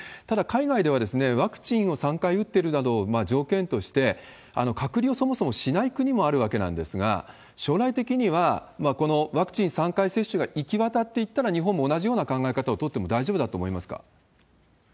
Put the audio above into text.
ただ、海外ではワクチンを３回打ってるなどを条件として、隔離をそもそもしない国もあるわけなんですが、将来的には、このワクチン３回接種が行き渡っていったら、日本も同じような考え方を取っても大丈夫だと思いますか？